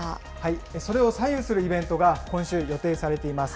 それを左右するイベントが、今週、予定されています。